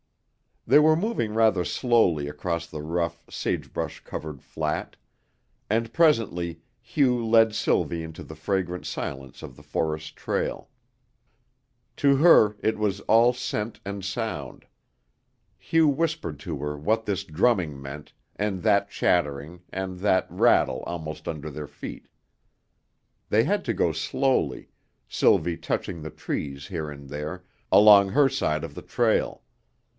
They were moving rather slowly across the rough, sagebrush covered flat, and presently Hugh led Sylvie into the fragrant silence of the forest trail. To her it was all scent and sound. Hugh whispered to her what this drumming meant and that chattering and that sudden rattle almost under their feet. They had to go slowly, Sylvie touching the trees here and there, along her side of the trail.